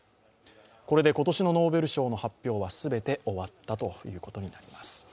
これで今年のノーベル賞の発表は全て終わったことになります。